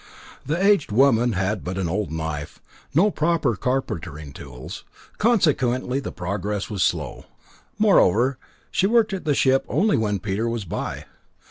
The aged woman had but an old knife, no proper carpentering tools, consequently the progress made was slow. Moreover, she worked at the ship only when Peter was by.